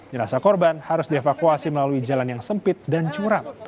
jenazah korban harus dievakuasi melalui jalan yang sempit dan curang